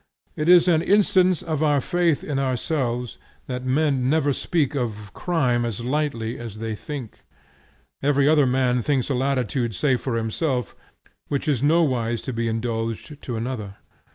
It is an instance of our faith in ourselves that men never speak of crime as lightly as they think; or every man thinks a latitude safe for himself which is nowise to be indulged to another.